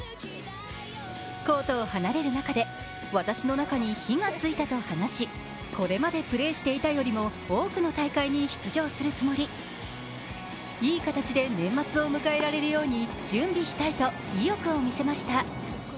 コートを離れる中で、私の中に火がついたと話し、これまでプレーしていたよりも多くの大会に出場するつもり、いい形で年末を迎えられるように準備したいと意欲を見せました。